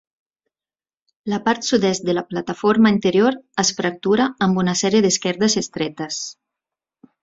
La part sud-est de la plataforma interior es fractura amb una sèrie d'esquerdes estretes.